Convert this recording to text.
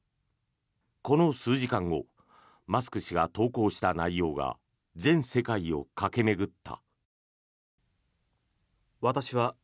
この数時間後マスク氏が投稿した内容が全世界を駆け巡った。